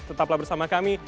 tetaplah bersama kami